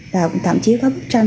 và cũng thậm chí có bức tranh